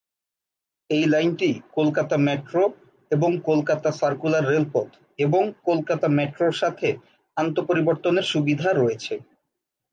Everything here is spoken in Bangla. এই লাইনটি কলকাতা মেট্রো এবং কলকাতা সার্কুলার রেলপথ এবং কলকাতা মেট্রোর সাথে আন্তঃ পরিবর্তনের সুবিধা রয়েছে।